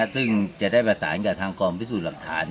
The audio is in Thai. ซึ่งจะได้ประสานกับทางกองพิสูจน์หลักฐาน